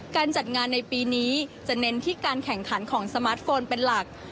การจัดงานในปีนี้จะเน้นที่การแข่งขันของสมาร์ทโฟนเป็นหลัก